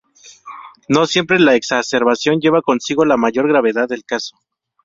No siempre la exacerbación lleva consigo la mayor gravedad del caso.